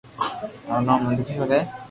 مارو نوم نند ڪآݾور ھي